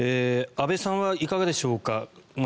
安部さんはいかがでしょうか。